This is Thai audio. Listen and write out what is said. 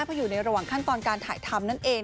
เพราะอยู่ในระหว่างขั้นตอนการถ่ายทำนั่นเอง